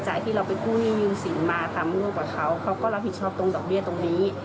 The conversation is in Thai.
จากที่เราเป็นผู้ยืนยุสินมาทำร่วมกับเขาเขาก็รับผิดชอบตรงดอกเบี้ยตรงนี้